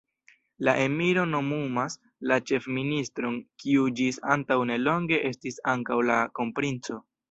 La emiro nomumas la ĉefministron, kiu ĝis antaŭ nelonge estis ankaŭ la kronprinco.